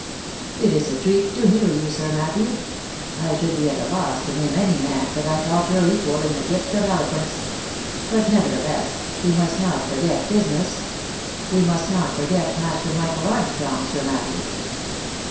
" It is a treat to hear you, Sir Matthew. I should be at a loss to name any man that I thought your equal in the gift of eloquence. But, nevertheless, we must not forget business. We must not forget Master Michael Armstrong, Sir Matthew.